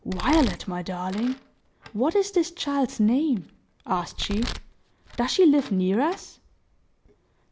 "Violet my darling, what is this child's name?" asked she. "Does she live near us?"